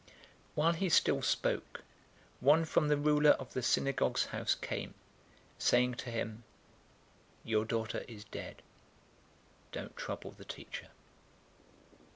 008:049 While he still spoke, one from the ruler of the synagogue's house came, saying to him, "Your daughter is dead. Don't trouble the Teacher."